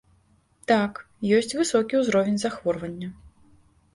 Так, ёсць высокі ўзровень захворвання.